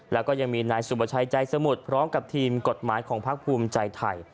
แล้วก็ยังมีนายสุประชัยใจสมุทรพร้อมกับทีมกฎหมายของพักภูมิใจไทย